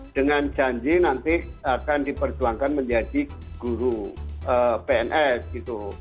dengan janji nanti akan diperjuangkan menjadi guru pns gitu